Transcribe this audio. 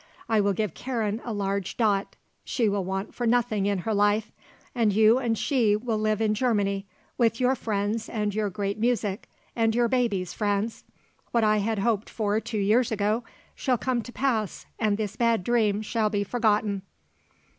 I will give Karen a large dot; she shall want for nothing in her life. And you and she will live in Germany, with your friends and your great music, and your babies, Franz. What I had hoped for two years ago shall come to pass and this bad dream shall be forgotten."